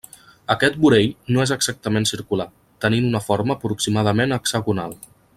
Aquest vorell no és exactament circular, tenint una forma aproximadament hexagonal.